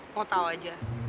mau tau aja